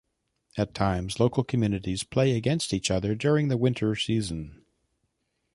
At times, local communities play against each other during the winter season.